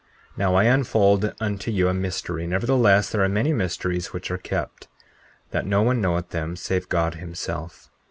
Now, I unfold unto you a mystery; nevertheless, there are many mysteries which are kept, that no one knoweth them save God himself.